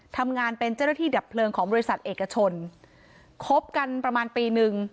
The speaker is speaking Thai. ทำงานเป็นเจ้าหน้าที่ดับเพลิงของบริษัทเอกชนคบกันประมาณปีหนึ่ง